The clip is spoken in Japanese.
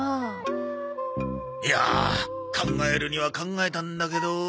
いや考えるには考えたんだけど。